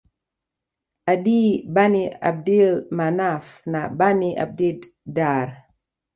Adiyy Bani Abdil Manaaf na Bani Abdid Daar